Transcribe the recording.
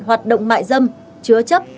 hoạt động mại dâm chứa chấp